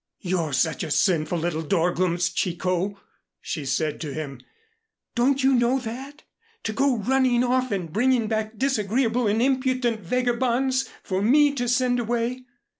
"You're such a sinful little dorglums, Chicot," she said to him. "Don't you know that? To go running off and bringing back disagreeable and impudent vagabonds for me to send away?